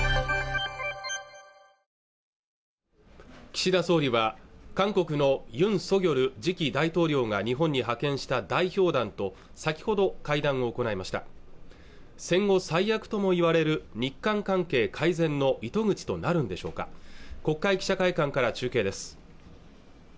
岸田総理は韓国のユン・ソギョル次期大統領が日本に派遣した代表団と先ほど会談を行いました戦後最悪ともいわれる日韓関係改善の糸口となるんでしょうか国会記者会館から中継です